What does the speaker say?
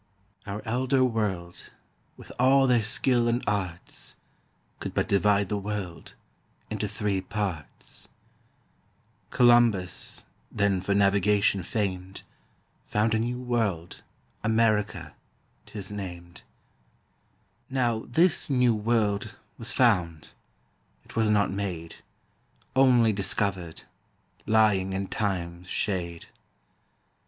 Our Elder World, with all their Skill and Arts, Could but divide the World into three Parts: Columbus, then for Navigation fam'd, Found a new World, America 'tis nam'd; Now this new World was found, it was not made, Onely discovered, lying in Time's shade.